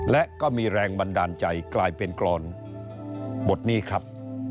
และก็มีแรงบันดาลใจกลายเป็นกรอนบทนี้ครับ